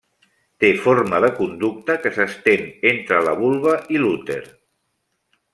Té forma de conducte que s'estén entre la vulva i l'úter.